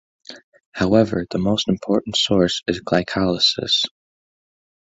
However, the most important source is glycolysis.